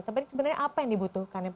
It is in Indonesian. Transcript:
tapi sebenarnya apa yang dibutuhkan